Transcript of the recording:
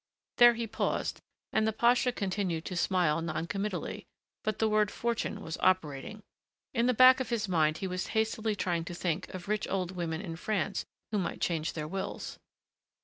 There he paused and the pasha continued to smile non committally, but the word fortune was operating. In the back of his mind he was hastily trying to think of rich old women in France who might change their wills.